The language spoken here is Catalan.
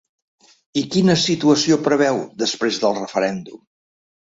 I quina situació preveu després del referèndum?